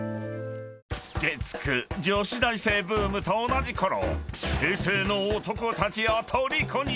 ［月９女子大生ブームと同じころ］